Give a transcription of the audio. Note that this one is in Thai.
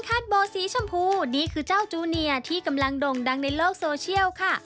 โบสีชมพูนี่คือเจ้าจูเนียที่กำลังด่งดังในโลกโซเชียลค่ะ